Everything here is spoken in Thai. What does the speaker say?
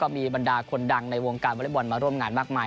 มีบรรดาคนดังในวงการวอเล็กบอลมาร่วมงานมากมาย